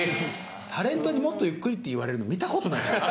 タレントにもっとゆっくりって言われるの見たことない。